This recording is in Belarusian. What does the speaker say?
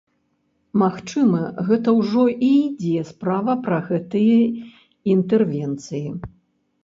Магчыма, гэта ўжо і ідзе справа пра гэтыя інтэрвенцыі?